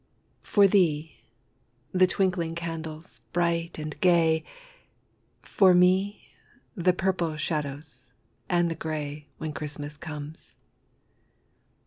For thee, the twinkling candles bright and gay, For me, the purple shadows and the grey, When Christmas comes.